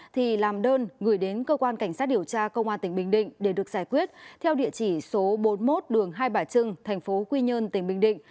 thì làm đơn gửi đến cơ quan cảnh sát điều tra công an tỉnh bình định để được giải quyết theo địa chỉ số bốn mươi một đường hai bả trưng thành phố quy nhơn tỉnh bình định